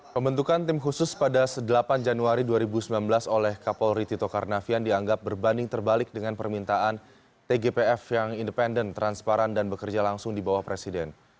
pembentukan tim khusus pada delapan januari dua ribu sembilan belas oleh kapolri tito karnavian dianggap berbanding terbalik dengan permintaan tgpf yang independen transparan dan bekerja langsung di bawah presiden